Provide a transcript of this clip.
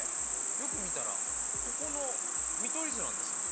よく見たらここの見取り図なんですもん！